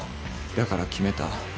だから決めた。